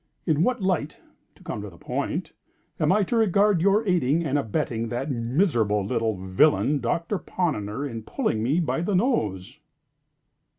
In what light (to come to the point) am I to regard your aiding and abetting that miserable little villain, Doctor Ponnonner, in pulling me by the nose?"